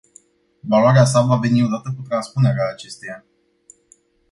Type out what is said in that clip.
Valoarea sa va veni odată cu transpunerea acesteia.